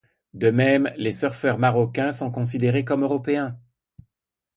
De même les surfeurs marocains sont considérés comme européens.